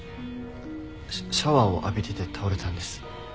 シャワーを浴びてて倒れたんです。